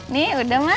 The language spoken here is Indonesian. nih udah mak